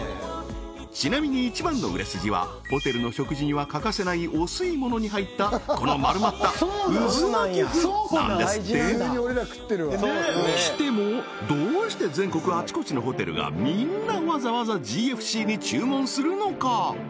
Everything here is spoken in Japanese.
ちなみに一番の売れ筋はホテルの食事には欠かせないお吸い物に入ったこの丸まったうずまき麩なんですってにしてもどうして全国あちこちのホテルがみーんなわざわざジーエフシーに注文するのか？